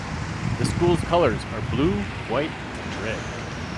The school colors are blue, white, and red.